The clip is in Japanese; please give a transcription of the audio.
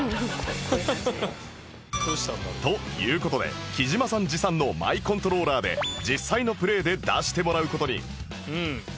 という事で貴島さん持参のマイコントローラーで実際のプレイで出してもらう事に